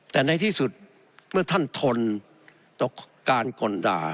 แต่ในที่สุดเมื่อท่านทนต่อการก่นด่า